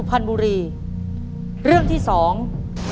แบบช่วยดูเสลจคือทำทุกอย่างที่ให้น้องอยู่กับแม่ได้นานที่สุด